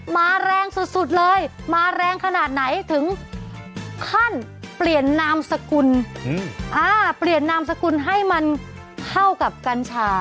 มาแรงสุดเลยมาแรงขนาดไหนถึงขั้นเปลี่ยนนามสกุลเปลี่ยนนามสกุลให้มันเข้ากับกัญชา